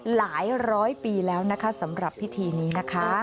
หลายร้อยปีแล้วนะคะสำหรับพิธีนี้นะคะ